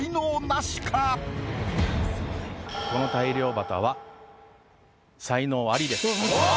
この大漁旗は才能アリです。